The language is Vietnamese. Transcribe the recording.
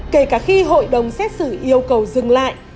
kể cả khi hội đồng xét xử yêu cầu dừng lại